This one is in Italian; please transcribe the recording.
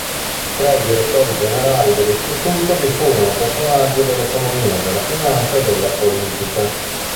Tra i direttori generali dell'istituto vi furono personaggi dell'economia, della finanza e della politica.